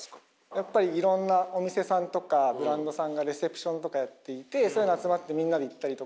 やっぱりいろんなお店さんとかブランドさんがレセプションとかやっていてそういうの集まってみんなで行ったりとか。